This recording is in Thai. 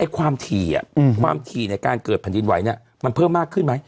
ความถี่ในการเกิดผ่านดินไหวนั้นเพิ่มมากขึ้นไหม